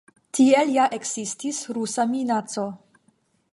Tiel ja ekzistis rusa minaco.